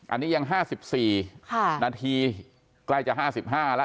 อันนี้ยังห้าสิบสี่ค่ะนาทีใกล้จะห้าสิบห้าแล้ว